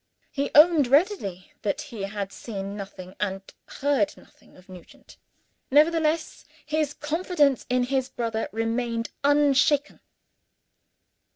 He owned readily that he had seen nothing, and heard nothing, of Nugent. Nevertheless his confidence in his brother remained unshaken.